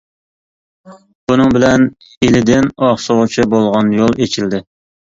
بۇنىڭ بىلەن ئىلىدىن ئاقسۇغىچە بولغان يول ئېچىلدى.